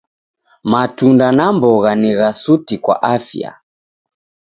Matunda na mbogha ni gha suti kwa afya.